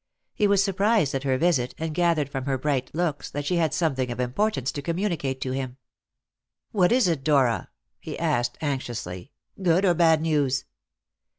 He was surprised at her visit, and gathered from her bright looks that she had something of importance to communicate to him. "What is it, Dora?" he asked anxiously; "good or bad news?"